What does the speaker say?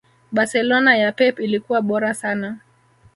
Barcelona ya Pep ilikuwa bora sana